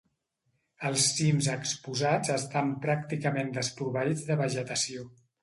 Els cims exposats estan pràcticament desproveïts de vegetació.